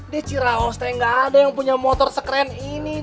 di ciraoste nggak ada yang punya motor sekeren ini dang